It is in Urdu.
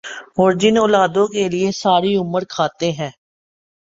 اور جن اولادوں کے لیئے ساری عمر کماتے ہیں